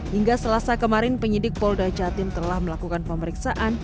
hingga selasa kemarin penyidik polda jatim telah melakukan pemeriksaan